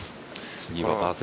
次がパー３。